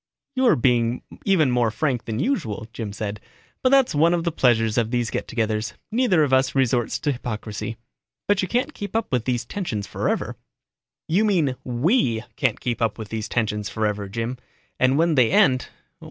"You're being even more frank than usual," Jim said. "But that's one of the pleasures of these get togethers, neither of us resorts to hypocrisy. But you can't keep up these tensions forever." "You mean we can't keep up these tensions forever, Jim. And when they end?